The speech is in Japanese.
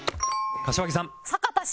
柏木さん